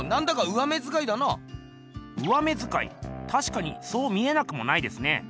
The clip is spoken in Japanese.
上目づかいたしかにそう見えなくもないですね。